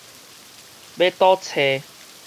欲佗揣